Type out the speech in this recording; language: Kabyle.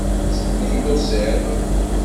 Segmi i d-tusiḍ.